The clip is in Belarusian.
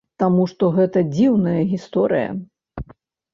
Таму што гэта дзіўная гісторыя.